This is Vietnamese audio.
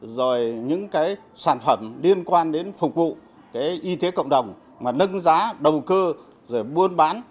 rồi những sản phẩm liên quan đến phục vụ y tế cộng đồng nâng giá đầu cơ buôn bán